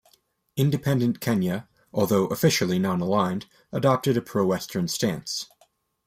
Independent Kenya, although officially non-aligned, adopted a pro-Western stance.